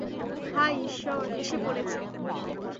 হায়, ঈশ্বর, এসে পড়েছে!